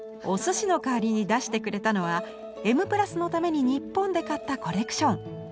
お寿司の代わりに出してくれたのは「Ｍ＋」のために日本で買ったコレクション。